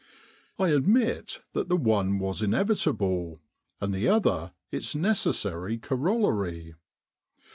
I admit that the one was inevitable, and the other its necessary corol lary.